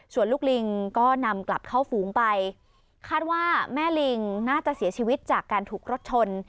ส่วนลูกลิงก็นำกลับเข้าฝูงไปคาดว่าแม่ลิงน่าจะเสียชีวิตจากการถูกรถชน